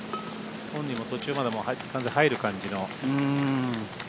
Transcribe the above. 本人も途中まで完全に入る感じの。